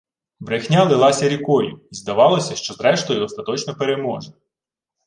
Брехня лилася рікою, й здавалося, що, зрештою, остаточно переможе